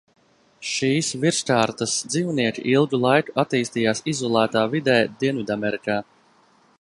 Šīs virskārtas dzīvnieki ilgu laiku attīstījās izolētā vidē Dienvidamerikā.